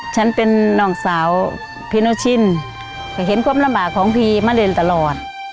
ฉันเป็นน้องสาวพี่โนชินก็เห็นความลำบากของพี่มาเรียนตลอด